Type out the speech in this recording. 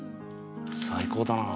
最高だなあ。